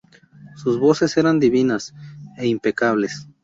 Sus voces eran divinas e impecables.